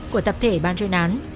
của tập thể ban chơi nán